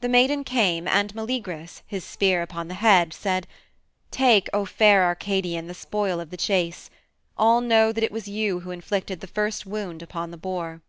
The maiden came and Meleagrus, his spear upon the head, said, "Take, O fair Arcadian, the spoil of the chase. All know that it was you who inflicted the first wound upon the boar."